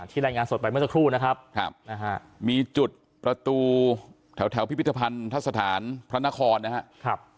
รายงานสดไปเมื่อสักครู่นะครับมีจุดประตูแถวพิพิธภัณฑสถานพระนครนะครับ